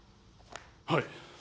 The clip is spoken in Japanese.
はい。